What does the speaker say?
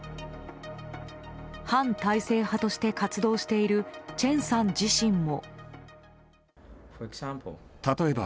反体制派として活動しているチェンさん自身も。